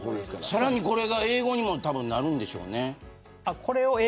さらに、これが英語にもなるんでしょうね。